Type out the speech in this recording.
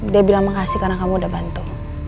dia bilang makasih karena kamu udah bantu